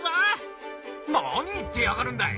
何言ってやがるんだい。